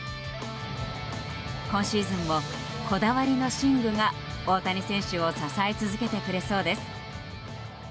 今シーズンもこだわりの寝具が大谷選手を支え続けてくれそうです。